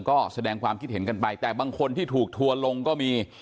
ก็แสดงความคิดเห็นกันไปแต่บางคนที่ถูกทัวร์ลงก็มี